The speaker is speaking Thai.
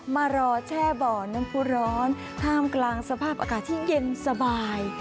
มารอแช่บ่อน้ำผู้ร้อนท่ามกลางสภาพอากาศที่เย็นสบาย